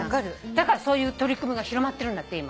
だからそういう取り組みが広まってるんだって今。